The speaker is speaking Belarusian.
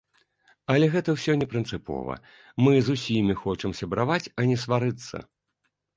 Але гэта ўсё не прынцыпова, мы з усімі хочам сябраваць, а не сварыцца.